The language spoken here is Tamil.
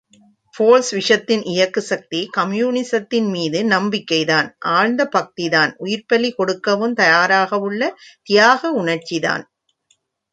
போல்ஷ் விஸத்தின் இயக்கு சக்தி, கம்யூனிஸத்தின்மீது நம்பிக்கைதான், ஆழ்ந்த பக்திதான், உயிர்ப்பலி கொடுக்கவும் தயாராகவுள்ள தியாக உணர்ச்சி தான்.